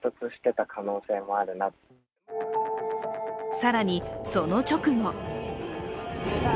更にその直後。